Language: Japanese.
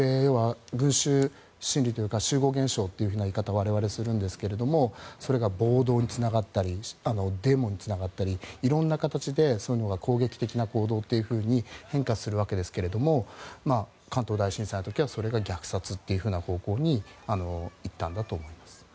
群集心理というか集合現象という言い方を我々はするんですがそれが暴動につながったりデモにつながったりいろんな形でそういうのが攻撃的な行動に変化するわけですけども関東大震災の時はそれが虐殺という方向にいったんだと思います。